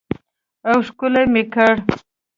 او ښکل مې کړ.